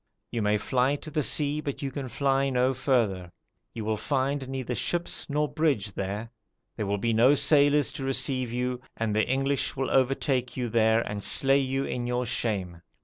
You may fly to the sea, but you can fly no further; you will find neither ships nor bridge there; there will be no sailors to receive you; and the English will overtake you there and slay you in your shame.